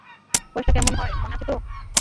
বয়সটা কেমন হয় মনে আছে তো?